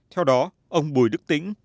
theo đó ông bùi đức tính